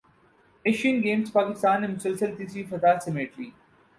Asian Games Pakistan نے مسلسل تیسری فتح سمیٹ لی